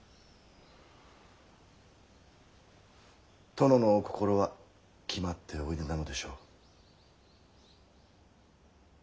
殿のお心は決まっておいでなのでしょう？